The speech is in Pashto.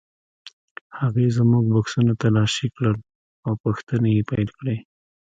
هغې زموږ بکسونه تالاشي کړل او پوښتنې یې پیل کړې.